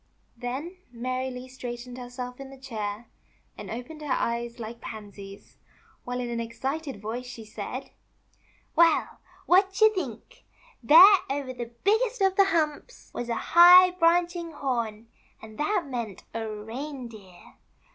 Then Mary Lee straightened herself in the chair and opened her eyes like pansies, while, in an excited voice, she said : "Well! What you think! There, over the biggest of the humps, was a high, branching horn — and that meant a reindeer.